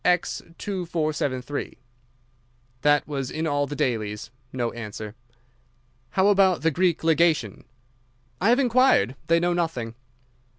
X 2473.' That was in all the dailies. No answer." "How about the Greek Legation?" "I have inquired. They know nothing."